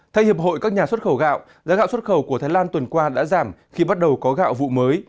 thay hiệp hội các nhà xuất khẩu gạo giá gạo xuất khẩu của thái lan tuần qua đã giảm khi bắt đầu có gạo vụ mới